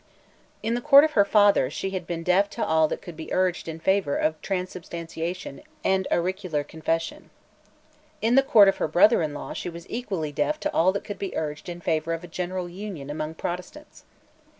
In the court of her father she had been deaf to all that could be urged in favour of transubstantiation and auricular confession. In the court of her brother in law she was equally deaf to all that could be urged in favour of a general union among Protestants.